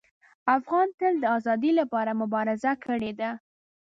افغان تل د ازادۍ لپاره مبارزه کړې ده.